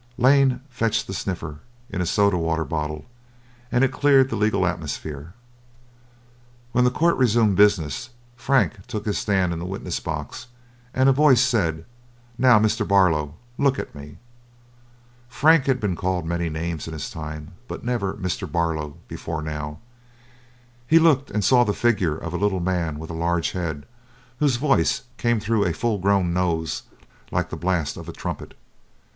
Lane fetched the stiffener in a soda water bottle, and it cleared the legal atmosphere. When the court resumed business, Frank took his stand in the witness box, and a voice said: "Now, Mr. Barlow, look at me." Frank had been called many names in his time, but never "Mr. Barlow" before now. He looked and saw the figure of a little man with a large head, whose voice came through a full grown nose like the blast of a trumpet.